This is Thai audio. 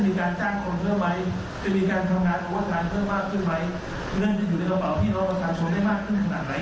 นะครับอันนี้อันนี้ถ้าเกิดชอบอยู่ดีอยู่ก็ขอให้พูดมาก